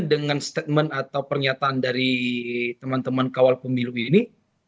dengan statement atau pernyataan dari teman teman kawal pemilu ini